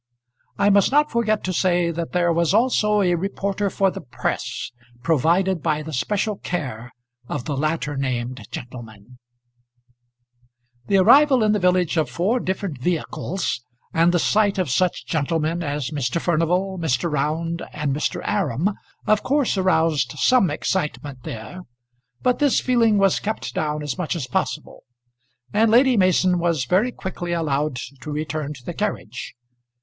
I must not forget to say that there was also a reporter for the press, provided by the special care of the latter named gentleman. [Illustration: Lady Mason going before the Magistrates.] The arrival in the village of four different vehicles, and the sight of such gentlemen as Mr. Furnival, Mr. Round, and Mr. Aram, of course aroused some excitement there; but this feeling was kept down as much as possible, and Lady Mason was very quickly allowed to return to the carriage.